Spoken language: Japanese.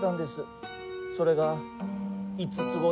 それが５つ子で。